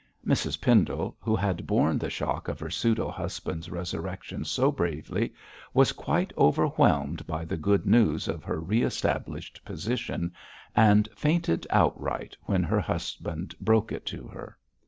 Mrs Pendle, who had borne the shock of her pseudo husband's resurrection so bravely, was quite overwhelmed by the good news of her re established position, and fainted outright when her husband broke it to her.